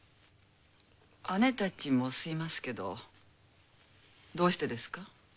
姉たちも吸いますけどどうしてですか？